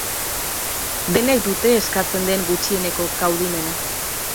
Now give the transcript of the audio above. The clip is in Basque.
Denek dute eskatzen den gutxieneko kaudimena.